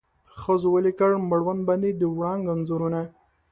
ښځو ولیکل مړوند باندې د وړانګو انځورونه